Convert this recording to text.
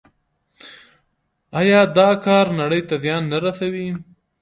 آیا دا کار نړۍ ته زیان نه رسوي؟